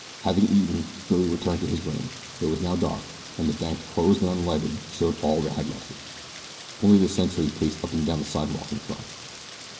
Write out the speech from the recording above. Having eaten, Billy returned to his room. It was now dark and the bank closed and unlighted showed that all had left it. Only the sentry paced up and down the sidewalk in front.